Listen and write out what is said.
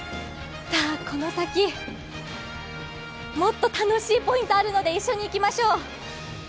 この先、もっと楽しいポイントあるので、一緒に行きましょう。